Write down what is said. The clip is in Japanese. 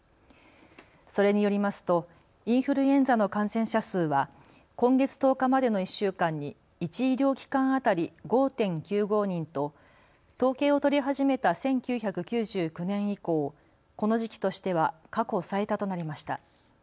それによりますとインフルエンザの感染者数は今月１０日までの１週間に１医療機関当たり５．９５人と統計を取り始めた１９９９年以降、この時期としては過去最多となりました。